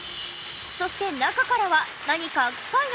そして中からは何か機械のような音が。